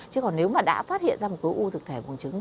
chứ còn nếu mà đã phát hiện ra một cái u thực thể bồn trứng